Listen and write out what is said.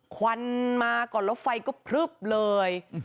ควันมาก่อนแล้วไฟก็พลึบเลย